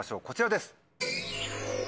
こちらです。